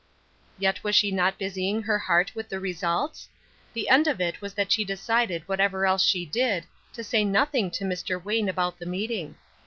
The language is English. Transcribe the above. Yet was she not busying her heart with the results? The end of it was that she decided whatever else she did, to say nothing to Mr. Wayne about the meeting.